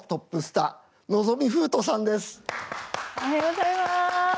おはようございます。